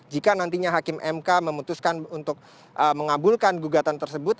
jika nantinya hakim mk memutuskan untuk mengabulkan gugatan tersebut